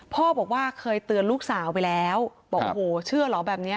พ่อบอกว่าเคยเตือนลูกสาวไปแล้วบอกโอ้โหเชื่อเหรอแบบนี้